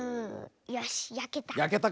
よしやけた。